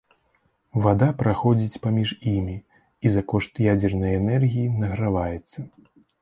Вада праходзіць паміж імі і за кошт ядзернай энергіі награваецца.